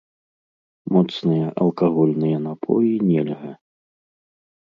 Моцныя алкагольныя напоі нельга.